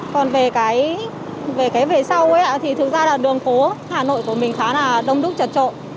còn về cái về sau ấy ạ thì thực ra là đường phố hà nội của mình khá là đông đúc trật trộn